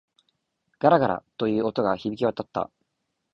ガラガラ、という音が響き渡った。